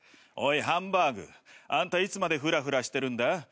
おいハンバーグあんたいつまでフラフラしてるんだ？